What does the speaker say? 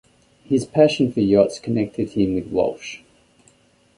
His passion for yachts connected him with Walsh.